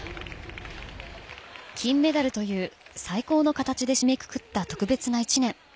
金メダルという最高の形で締めくくった特別な１年。